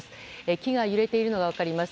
木が揺れているのが分かります。